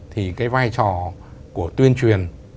thì cái vai trò của tuyên truyền